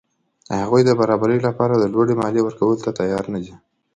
هغوی د برابرۍ له پاره د لوړې مالیې ورکولو ته تیار نه دي.